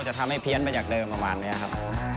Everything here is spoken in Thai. จะทำให้เพี้ยนไปจากเดิมประมาณนี้ครับ